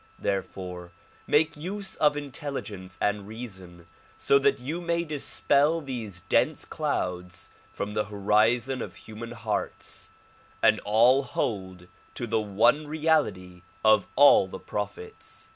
Therefore make use of intelligence and reason so that you may dispel these dense clouds from the horizon of human hearts and all hold to the one reality of all the prophets.